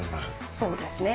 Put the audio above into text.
そうですね。